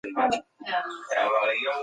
رحیم تر خپل پلار ډېر توند ښکارېده.